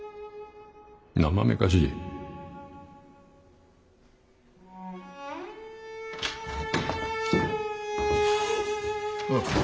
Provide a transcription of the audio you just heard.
なまめかしい？おっ。